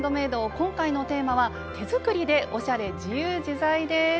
今回のテーマは「手作りでおしゃれ自由自在」です。